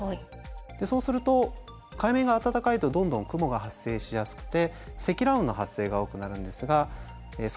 そうすると海面が温かいとどんどん雲が発生しやすくて積乱雲の発生が多くなるんですがそうすると上昇気流が生まれます。